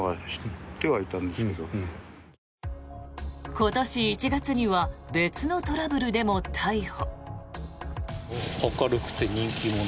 今年１月には別のトラブルでも逮捕。